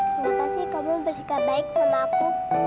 kenapa sih kamu bersikap baik sama aku